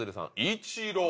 イチロー。